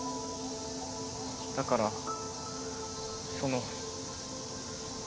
だからその。